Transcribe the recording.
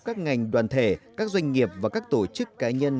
các ngành đoàn thể các doanh nghiệp và các tổ chức cá nhân